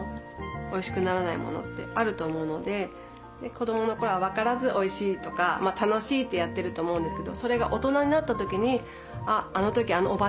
子供のころは分からずおいしいとか楽しいってやってると思うんですけど。